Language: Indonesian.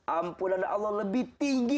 ampunan allah lebih tinggi